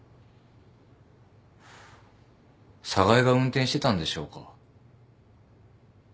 寒河江が運転してたんでしょうか？